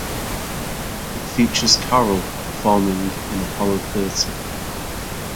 It features Carroll performing in Apollo Theatre.